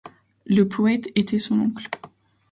Le poète était son oncle.